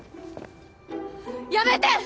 やめて！